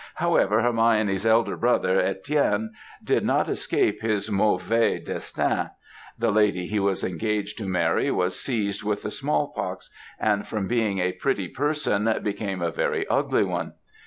However, Hermione's elder brother, Etienne, did not escape his mauvais destin; the lady he was engaged to marry was seized with the smallpox, and, from being a pretty person, became a very ugly one.